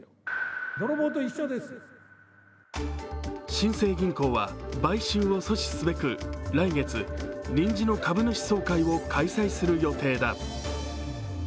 新生銀行は買収を阻止すべく、来月、臨時の株主総会を開催する予定だ。